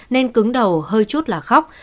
nên cứng đầu hơi chút là khóc